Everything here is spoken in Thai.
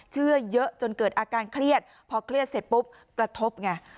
เชื่อเยอะจนเกิดอาการเครียดพอเครียดเสร็จปุ๊บกระทบไง